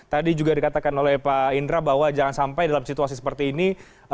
tadi juga dikatakan oleh pak indra bahwa jangan sampai dalam situasi seperti ini